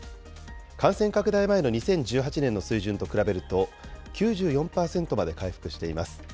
感染拡大前の２０１８年の水準と比べると、９４％まで回復しています。